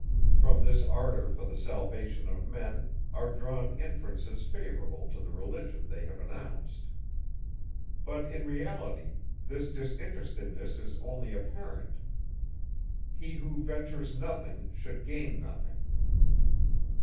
From this ardour for the salvation of men, are drawn inferences favourable to the religion they have announced. But in reality, this disinterestedness is only apparent. He, who ventures nothing should gain nothing.